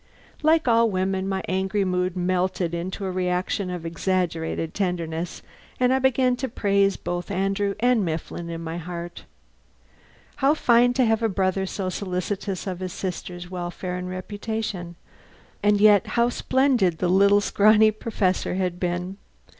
Like all women, my angry mood melted into a reaction of exaggerated tenderness and I began to praise both Andrew and Mifflin in my heart. How fine to have a brother so solicitous of his sister's welfare and reputation! And yet, how splendid the little, scrawny Professor had been!